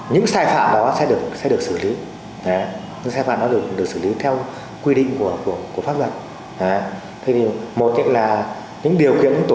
những cái nào mà cấp không đúng là